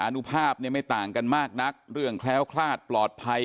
อนุภาพไม่ต่างกันมากนักเรื่องแคล้วคลาดปลอดภัย